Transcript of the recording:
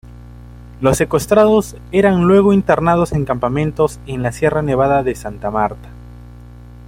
Los secuestrados eran luego internados en campamentos en la Sierra Nevada de Santa Marta.